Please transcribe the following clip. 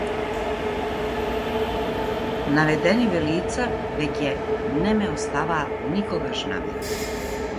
Наведениве лица веќе не ме оставаа никогаш на мира.